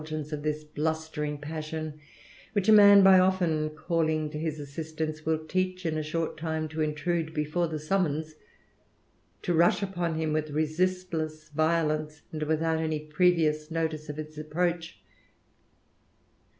gence of this blustering passion, which a man, by often ^^ling lo his assistance, will teach, in a short time, to ''Itrude before the summons, to rush upon him with ''Csislless violence, and without any previous notice of its approach.